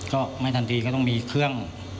ก็ไม่ทันทีก็ต้องมีเครื่อง